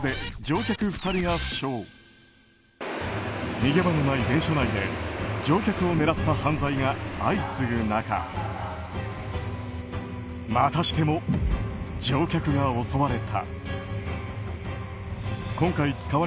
逃げ場のない電車内で乗客を狙った犯罪が相次ぐ中またしても乗客が襲われた。